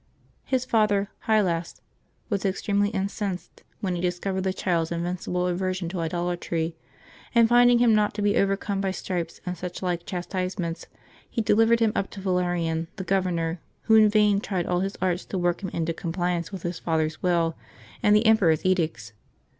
His father, Hylas, was extremely incensed when he discovered the child's invincible aversion to idolatry; and finding him not to be overcome by stripes and such like chastisements, he delivered him up to Valerian, the gov ernor, who in vain tried all his arts to work him into com pliance with his father's will and the emperor's edicts.